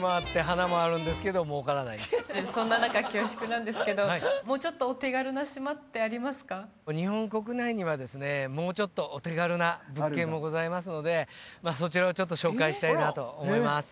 そんな中恐縮なんですけど日本国内にはですねもうちょっとお手軽な物件もございますのでそちらをちょっと紹介したいなと思います